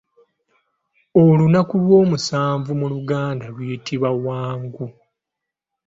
Olunaku olw'omusanvu mu luganda luyitibwa Wangu.